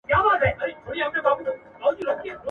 ځمه له سبا سره مېلمه به د خزان یمه ..